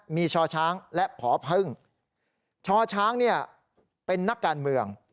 มีช่อช้างและผอพึ่งชช้างเนี่ยเป็นนักการเมือง